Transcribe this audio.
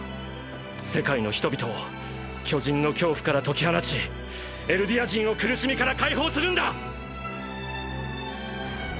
世界の人々を巨人の恐怖から解き放ちエルディア人を苦しみから解放するんだ！！